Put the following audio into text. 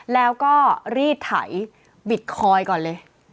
แล้วก็รีดไถบิตคอยน์ก่อนเลย